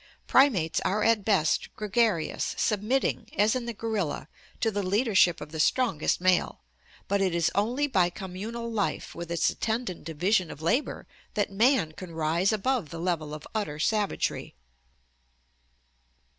Primates are at best gregarious, submitting, as in the gorilla, to the leadership of the strongest male, but it is only by communal life with its attendant division of labor that man can rise above the level of utter savagery.